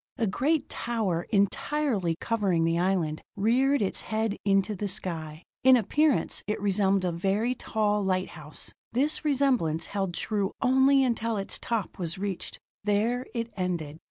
A great tower, entirely covering the island, reared its head into the sky. In appearance, it resembled a very tall lighthouse. This resemblance held true only until its top was reached; there it ended.